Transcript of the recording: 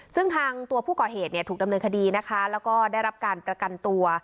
ซึ่งทางตัวผู้ก่อเหตุเนี่ยถูกดำเนินคดีนะคะแล้วก็ได้รับการประกันตัว